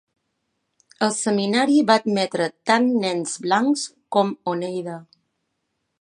El seminari va admetre tant nens blancs com Oneida.